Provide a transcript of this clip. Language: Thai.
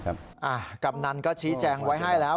กำนันก็ชี้แจงไว้ให้แล้ว